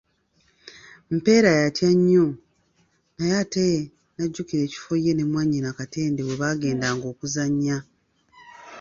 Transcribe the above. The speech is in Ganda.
Mpeera yatya nnyo naye ate n'ajjukira ekifo ye ne mwannyina Katende we baagendanga okuzannya.